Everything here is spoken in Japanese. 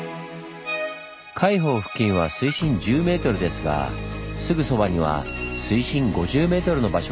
海堡付近は水深１０ｍですがすぐそばには水深５０ｍの場所があります。